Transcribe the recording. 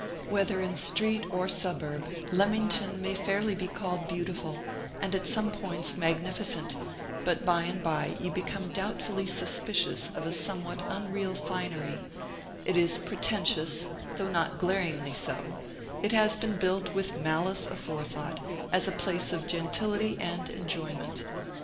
Whether in street or suburb, Leamington may fairly be called beautiful, and, at some points, magnificent; but by and by you become doubtfully suspicious of a somewhat unreal finery: it is pretentious, though not glaringly so; it has been built with malice aforethought, as a place of gentility and enjoyment.